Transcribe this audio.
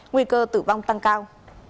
nguy cơ tử vong tăng cao